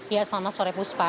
ya selamat sore puspa